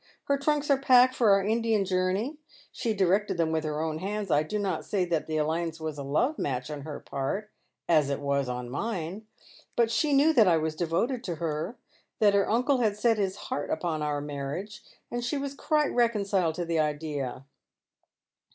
Her trunks are packed for our Indian journey. She directed them with her own hands. I do not say l!iat the alliance was a love match on her part, as it was on mine. But she knew that I was devoted to her, that her uncle had set his heart upon our mamage, and she was quite reconciled to the idea."